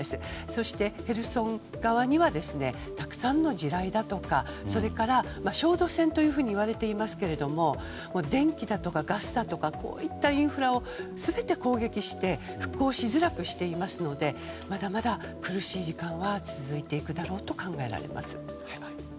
そして、ヘルソン側にはたくさんの地雷だとかそれから、焦土戦といわれていますが電気だとかガスだとかこういったインフラを全て攻撃して復興しづらくしていますのでまだまだ苦しい時間は続いていくだろうと考えられます。